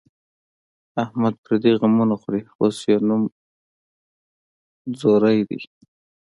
احمد پردي غمونه خوري، اوس یې نوم ځوری دی.